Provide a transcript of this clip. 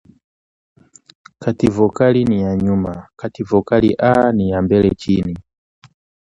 kati Vokali ni ya nyuma kati Vokali a ni ya mbele chini